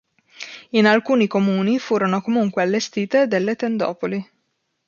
In alcuni comuni furono comunque allestite delle tendopoli.